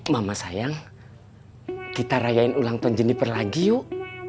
mama sayang kita rayain ulang tahun jeniper lagi yuk